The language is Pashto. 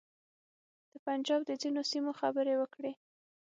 د پنجاب د ځینو سیمو خبرې وکړې.